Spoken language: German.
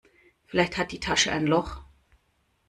Vielleicht hat die Tasche ein Loch.